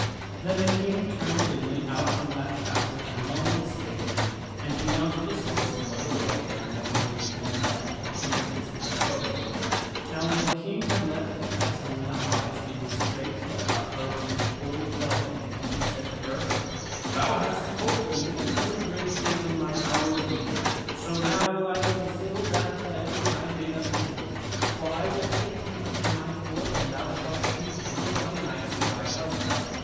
Then the King turned and went out from that castle and no one stayed him, and he mounted his horse and rode away, and no one gave him let or hindrance in his going. Now when the King had left the castle in that wise, he went straight to the hut where was the old beldame and he said to her, " Thou hast holpen me a very great deal in mine hour of need, so now will I fulfil that pledge which I made unto thee, for I will take thee unto my Court and thou shalt choose one of my knights for thy husband.